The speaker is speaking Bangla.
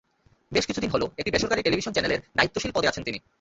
বেশ কিছুদিন হলো একটি বেসরকারি টেলিভিশন চ্যানেলের দায়িত্বশীল পদে আছেন তিনি।